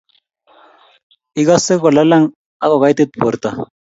igase kolalang ak kogaitit borto